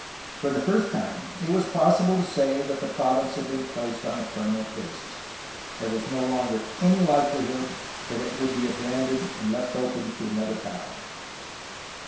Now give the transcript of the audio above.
For the first time it was possible to say that the province had been placed upon a permanent basis. There was no longer any likeUhood that it would be abandoned and left open for another power.